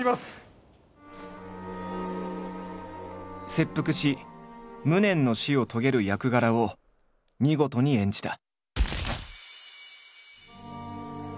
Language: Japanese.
切腹し無念の死を遂げる役柄を見事に演じた。